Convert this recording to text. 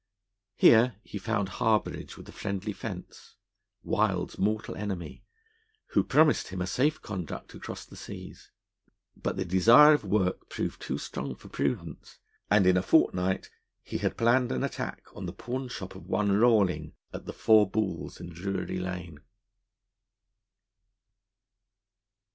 Here he found harbourage with a friendly fence, Wild's mortal enemy, who promised him a safe conduct across the seas. But the desire of work proved too strong for prudence; and in a fortnight he had planned an attack on the pawnshop of one Rawling, at the Four Balls in Drury Lane.